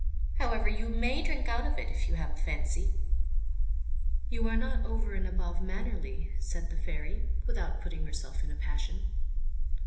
However, you may drink out of it, if you have a fancy." "You are not over and above mannerly," answered the Fairy, without putting herself in a passion.